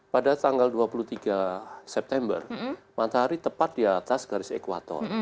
pada tanggal dua puluh tiga september matahari tepat di atas garis ekwator